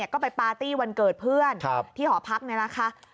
ก็ไปปาร์ตี้วันเกิดเพื่อนที่หอพักเนี่ยนะคะ